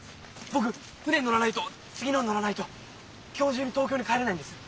僕船に乗らないと次のに乗らないと今日中に東京に帰れないんです。